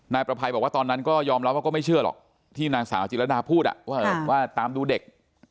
นายประภัยบอกว่าตอนนั้นก็ยอมรับว่าก็ไม่เชื่อหรอกที่นางสาวจิรดาพูดว่าตามดูเด็ก